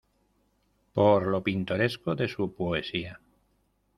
Por lo pintoresco de su poesía.